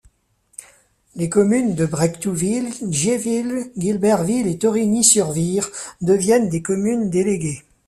Les communes de Brectouville, Giéville, Guilberville et Torigni-sur-Vire deviennent des communes déléguées.